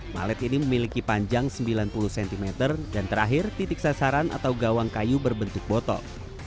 malet ini memiliki panjang sembilan puluh cm dan terakhir titik sasaran atau gawang kayu berbentuk botol